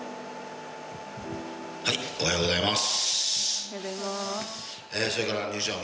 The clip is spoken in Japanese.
おはようございます。